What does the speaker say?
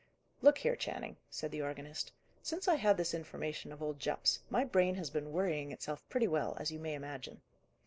"Look here, Channing," said the organist. "Since I had this information of old Jupp's, my brain has been worrying itself pretty well, as you may imagine.